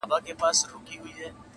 چي کورونا دی که کورونا ده.!